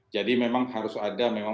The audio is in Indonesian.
jadi memang harus ada